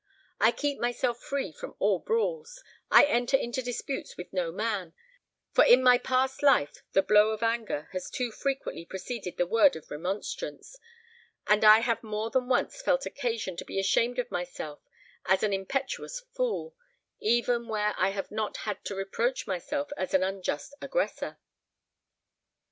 I keep myself free from all brawls; I enter into disputes with no man, for in my past life the blow of anger has too frequently preceded the word of remonstrance, and I have more than once felt occasion to be ashamed of myself as an impetuous fool, even where I have not had to reproach myself as an unjust aggressor."